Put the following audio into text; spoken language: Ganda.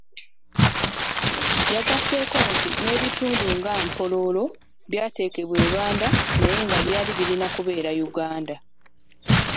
Yagasseeko nti n'ebitundu nga Mpororo byateekebwa e Rwanda naye nga byali birina kubeera Uganda.